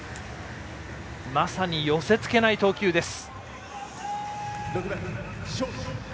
まさに寄せつけない投球です。